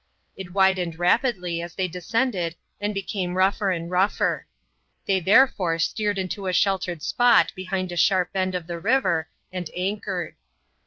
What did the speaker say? It widened rapidly as they descended and became rougher and rougher. They therefore steered into a sheltered spot behind a sharp bend of the river and anchored.